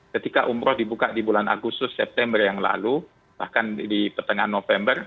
ketika umroh dibuka di bulan agustus september yang lalu bahkan di pertengahan november